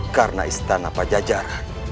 karena istana pajajaran